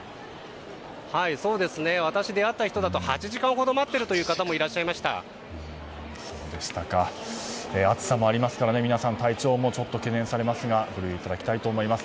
私が出会った人だと８時間ほど待っているという方も暑さもありますから皆さん、体調も懸念されますがお気を付けいただきたいです。